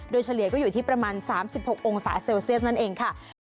โดยเฉลี่ยก็อยู่ที่ประมาณ๓๖องศาเซลเซียสนั่นเองค่ะ